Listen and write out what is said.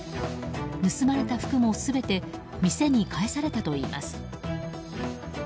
盗まれた服も全て店に返されたといいます。